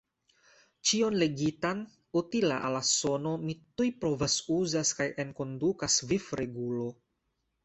Ĉion legitan utila al la sano mi tuj provas-uzas kaj enkondukas vivregulo.